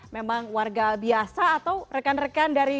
memang warga biasa atau rekan rekan dari